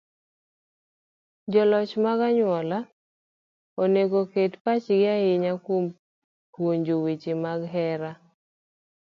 Joloch mag anyuola onego oket pachgi ahinya kuom puonjo weche mag hera.